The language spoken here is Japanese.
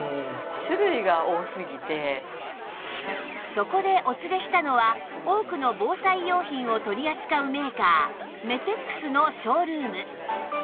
そこでお連れしたのは多くの防災用品を取り扱うメーカーメテックスのショールーム